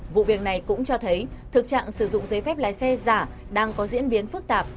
vụ việc này cũng cho thấy thực trạng sử dụng giấy phép lái xe giả đang có diễn biến phức tạp